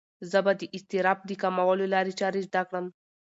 زه به د اضطراب د کمولو لارې چارې زده کړم.